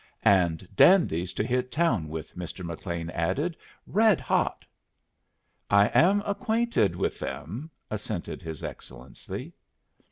"And dandies to hit town with," Mr. McLean added. "Red hot." "I am acquainted with them," assented his Excellency.